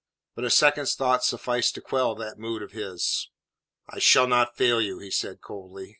But a second's thought sufficed to quell that mood of his. "I shall not fail you," he said coldly.